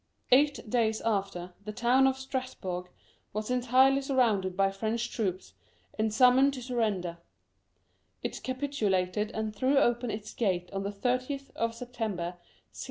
Eight days after, the town of Strasbourg was entirely sur rounded by French troops, and summoned to sur render: it capitulated and threw open its gates on the 30th of September 1681.